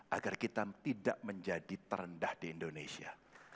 agar kita tidak menjadi terendah di indonesia